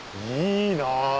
いいなぁ